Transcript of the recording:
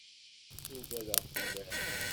Ugadeɣ fell-ak.